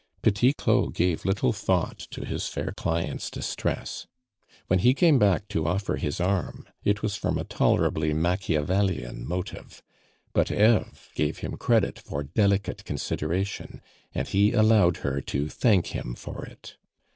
Petit Claud gave little thought to his fair client's distress. When he came back to offer his arm, it was from a tolerably Machiavellian motive; but Eve gave him credit for delicate consideration, and he allowed her to thank him for it.